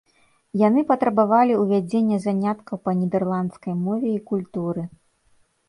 Яны патрабавалі ўвядзення заняткаў па нідэрландскай мове і культуры.